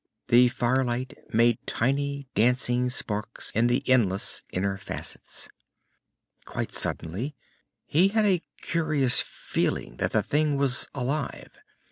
The firelight made tiny dancing sparks in the endless inner facets. Quite suddenly, he had a curious feeling that the thing was alive.